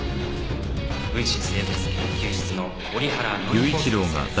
・分子生物研究室の折原乃里子先生です。